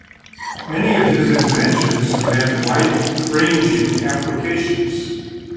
Many of his inventions have had wide ranging applications.